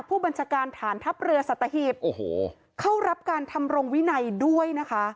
ผู้บัญชาการฐานทัพเรือสัตหีบโอ้โหเข้ารับการทำรงวินัยด้วยนะคะ